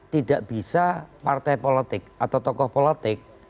tidak bisa partai politik atau tokoh politik